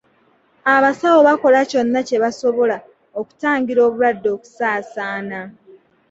Abasawo bakola kyonna kye basobola okutangira obulwadde okusaasaana.